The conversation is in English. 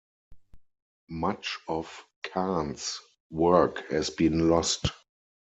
Much of Kahn's work has been lost.